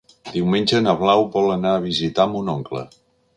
Diumenge na Blau vol anar a visitar mon oncle.